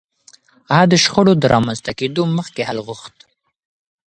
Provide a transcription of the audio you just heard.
هغه د شخړو د رامنځته کېدو مخکې حل غوښت.